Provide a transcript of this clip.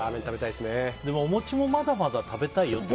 でも、お餅もまだまだ食べたいよ。